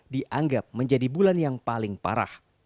dianggap menjadi bulan yang paling parah